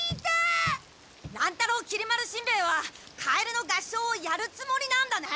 乱太郎きり丸しんべヱは「カエルの合唱」をやるつもりなんだね？